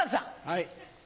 はい。